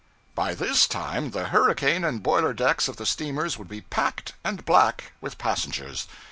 By this time the hurricane and boiler decks of the steamers would be packed and black with passengers.